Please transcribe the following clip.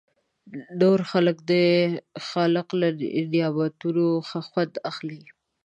نور خلک د خالق له نعمتونو خوند اخلي.